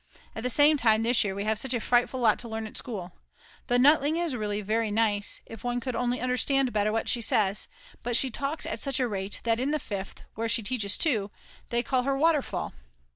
At the same time, this year we have such a frightful lot to learn at school. The Nutling is really very nice, if one could only understand better what she says, but she talks at such a rate that in the Fifth, where she teaches too, they call her Waterfall.